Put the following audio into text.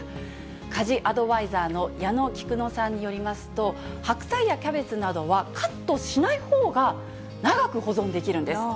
家事アドバイザーの矢野きくのさんによりますと、白菜やキャベツなどは、カットしないほうが長く保存できるんです。